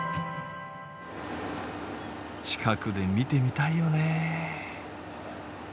近くで見てみたいよね？